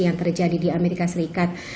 yang terjadi di amerika serikat